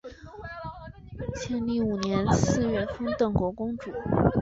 庆历五年四月封邓国公主。